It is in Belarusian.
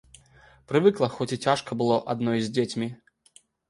Прывыкла, хоць і цяжка было адной з дзецьмі.